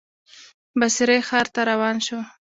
بصرې ښار ته روان شو.